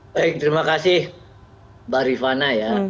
baik terima kasih mbak rifana ya